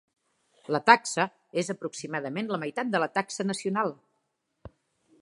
La taxa és aproximadament la meitat de la taxa nacional.